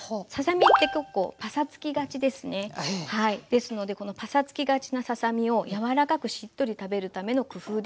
ですのでこのパサつきがちなささ身をやわらかくしっとり食べるための工夫です。